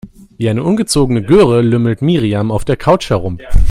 Wie eine ungezogene Göre lümmelt Miriam auf der Couch herum.